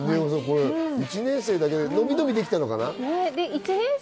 １年生だけでのびのびできたのかな。